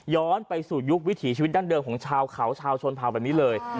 ไปสู่ยุควิถีชีวิตดั้งเดิมของชาวเขาชาวชนเผาแบบนี้เลย